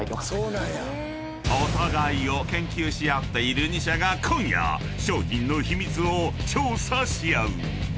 ［お互いを研究し合っている２社が今夜商品の秘密を調査し合う］